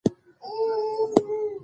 تاریخ د ولسونو یادګار دی.